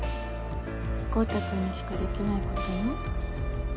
昊汰君にしかできないことよ。